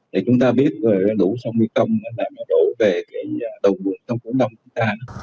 để chúng ta biết về lũ sông my công là mà đổ về cái đầu buồn sông của đông chúng ta